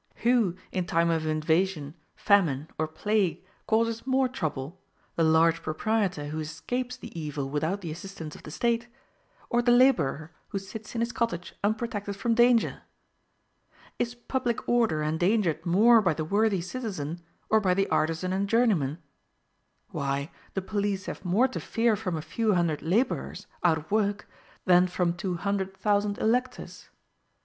Who, in time of invasion, famine, or plague, causes more trouble, the large proprietor who escapes the evil without the assistance of the State, or the laborer who sits in his cottage unprotected from danger? Is public order endangered more by the worthy citizen, or by the artisan and journeyman? Why, the police have more to fear from a few hundred laborers, out of work, than from two hundred thousand electors!